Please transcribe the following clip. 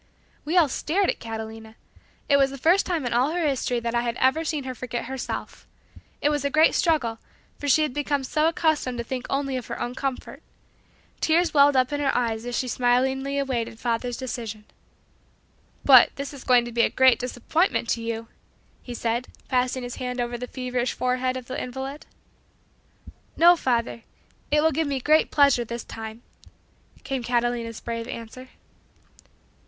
We all stared at Catalina! It was the first time in all her history that I had ever seen her forget herself. It was a great struggle, for she had become so accustomed to think only of her own comfort. Tears welled up in her eyes as she smilingly awaited father's decision. "But this is going to be a great disappointment to you," he said, passing his hand over the feverish forehead of the invalid. "No, father; it will give me great pleasure this time," came Catalina's brave answer.